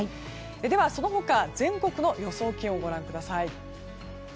では、その他全国の予想気温をご覧ください。